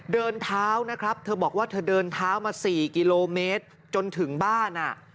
เดินเท้านะครับเธอบอกว่าเธอเดินเท้ามา๔กิโลเมตรจนถึงบ้าน